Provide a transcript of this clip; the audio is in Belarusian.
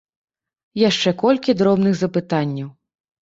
Яшчэ колькі дробных запытанняў.